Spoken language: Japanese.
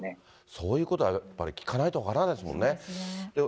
そういうことはやっぱり聞かないと分からないですもんね。